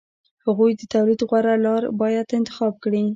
هغوی د تولید غوره لار باید انتخاب کړي